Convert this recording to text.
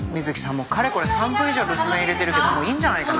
もうかれこれ３分以上留守電入れてるけどもういいんじゃないかな？